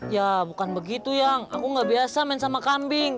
ya bukan begitu yang aku nggak biasa main sama kambing